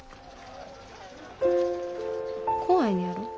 怖いねやろ。